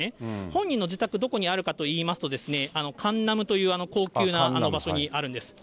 本人の自宅、どこにあるかといいますと、カンナムという高級な場所にあるんです。